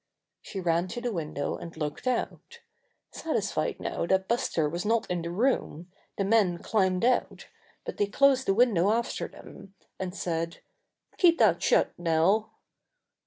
She ran to the window and looked out Satisfied now that Buster was not in the room, the men climbed out, but they closed the win dow after them, and said: "Keep that shut, Nell!"